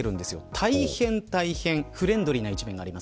大変フレンドリーな一面があります。